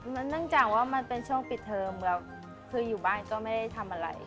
เนื่องจากว่ามันเป็นช่วงปิดเทอมแล้วคืออยู่บ้านก็ไม่ได้ทำอะไร